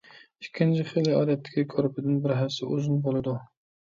ئىككىنچى خىلى ئادەتتىكى كۆرپىدىن بىر ھەسسە ئۇزۇن بولىدۇ.